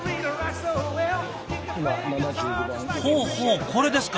ほうほうこれですか。